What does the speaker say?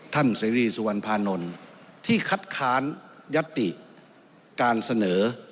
ท่านเศรีสุวรรณภานนท์ที่คัดค้ายติการเสนอ